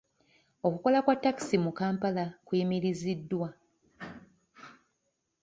Okukola kwa takisi mu kampala kuyimiriziddwa.